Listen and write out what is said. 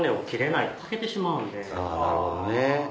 なるほどね。